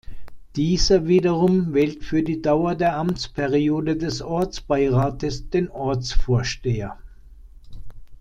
Dieser wiederum wählt für die Dauer der Amtsperiode des Ortsbeirates den Ortsvorsteher.